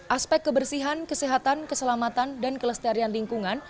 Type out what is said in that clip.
aspek kebersihan kesehatan keselamatan dan kelestarian lingkungan